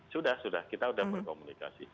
sudah sudah kita sudah berkomunikasi